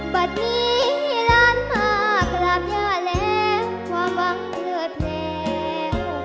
เบาะนี้ร้านมักกราบญ้าและความหวังเคลือดแผล